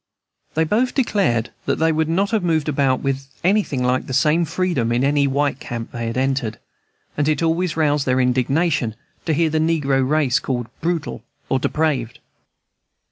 They both declared that they would not have moved about with anything like the same freedom in any white camp they had ever entered, and it always roused their indignation to hear the negro race called brutal or depraved.